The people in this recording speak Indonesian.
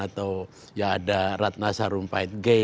atau ya ada ratna sarumpait g